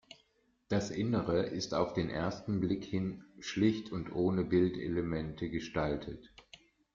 Das Innere ist auf den ersten Blick hin schlicht und ohne Bildelemente gestaltet.